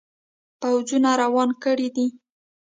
پوځونه روان کړي دي.